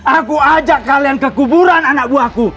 aku ajak kalian ke kuburan anak buahku